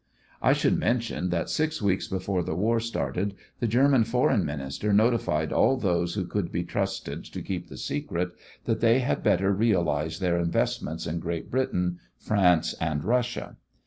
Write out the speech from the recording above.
I should mention that six weeks before the war started the German Foreign Minister notified all those who could be trusted to keep the secret that they had better realize their investments in Great Britain, France and Russia.